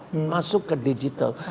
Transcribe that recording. coba cepet masuk ke digital